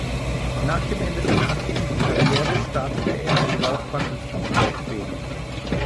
Nach dem Ende seiner aktiven Karriere startete er eine Laufbahn als Fußballtrainer.